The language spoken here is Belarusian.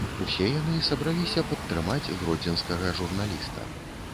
Усе яны сабраліся падтрымаць гродзенскага журналіста.